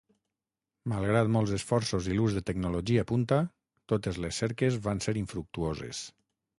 Malgrat molts esforços i l'ús de tecnologia punta, totes les cerques van ser infructuoses.